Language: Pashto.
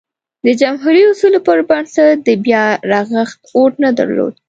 د جمهوري اصولو پربنسټ د بیا رغښت هوډ نه درلود.